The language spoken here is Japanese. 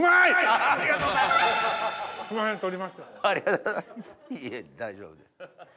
いえ大丈夫です。